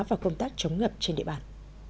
và công tác chống ngập trên địa bàn